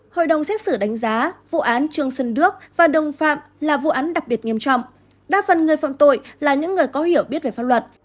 hội đồng xét xử đánh giá vụ án trương xuân đức và đồng phạm là vụ án đặc biệt nghiêm trọng đa phần người phạm tội là những người có hiểu biết về pháp luật